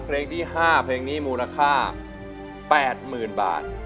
เพลงที่๕เพลงนี้มูลค่า๘๐๐๐บาท